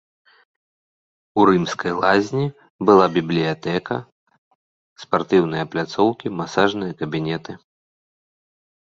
У рымскай лазні была бібліятэка, спартыўныя пляцоўкі, масажныя кабінеты.